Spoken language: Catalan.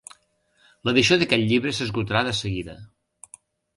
L'edició d'aquest llibre s'esgotarà de seguida.